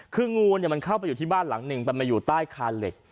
คืองูมันเข้าไปอยู่ที่บ้านหลังหนึ่งมันมาอยู่ใต้คานเหล็ก